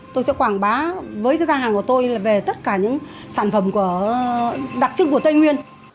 tôi sẽ quảng bá với gian hàng của tôi là về tất cả những sản phẩm đặc trưng của tây nguyên